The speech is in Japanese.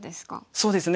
そうですね。